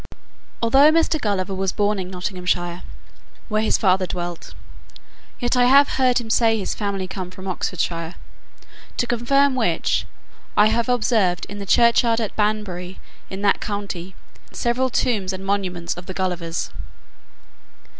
Although Mr. Gulliver was born in Nottinghamshire, where his father dwelt, yet I have heard him say his family came from Oxfordshire; to confirm which, I have observed in the churchyard at Banbury in that county, several tombs and monuments of the Gullivers.